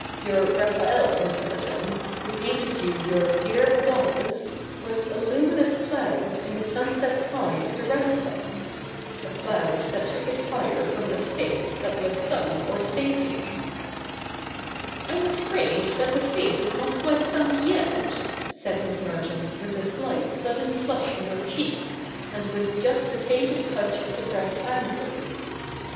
Your Raphael, Miss Merton, who painted you your " dear Madonnas," was a luminous cloud in the sunset sky of the Renaissance, — a cloud that took its fire from a faith that was sunk or sinking.' CH. i] THE NEW REPUBLIC 195 ' I'm afraid that the faith is not quite sunk yet,' said Miss Merton, with a slight sudden flush in her cheeks, and with just the faintest touch of suppressed anger.